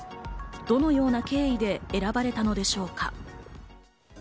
どのような経緯で選ばれたのでしょうか？